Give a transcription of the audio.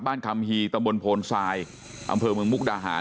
บ้านกำฮีตมภนสายอำเภอเมืองมุกดาหาร